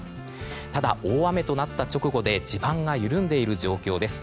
ただ、大雨となった直後で地盤が緩んでいる状況です。